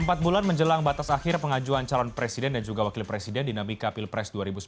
empat bulan menjelang batas akhir pengajuan calon presiden dan juga wakil presiden dinamika pilpres dua ribu sembilan belas